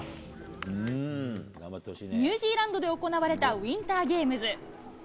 ニュージーランドで行われたウィンターゲームズ。